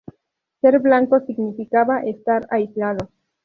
Ser blanco significaba estar aislado".